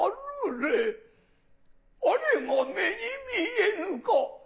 あれが目に見えぬか。